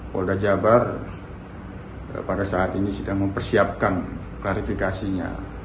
polda jabar pada saat ini sedang mempersiapkan klarifikasinya